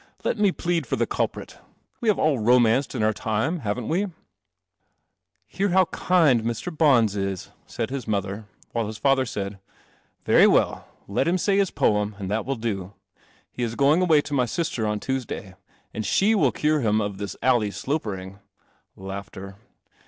Let me plead for the culprit. We have all ro manced in our time, haven't we?" 7° I 111 CELESTIAL ( >MNIB1 ■•II knul Mr. Bona is, mother, while his father said, " Very well. I him say I; P< em, and that will do. 1 (e is going awaj tom\ sister on Tuesday, and she will cure him of this alley sloperin